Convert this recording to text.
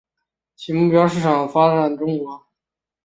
其目标市场是发展中国家。